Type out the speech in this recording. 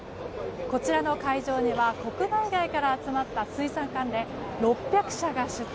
こちらの会場には国内外から集まった水産関連６００社が出展。